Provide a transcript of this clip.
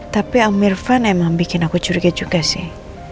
tapi om irfan emang bikin aku curiga juga sih